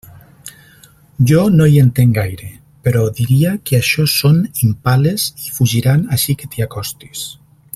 Jo no hi entenc gaire, però diria que això són impales i fugiran així que t'hi acostis.